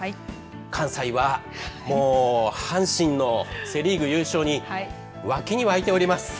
関西は阪神のセ・リーグ優勝に沸きに沸いております。